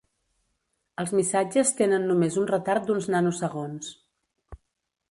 Els missatges tenen només un retard d'uns nanosegons.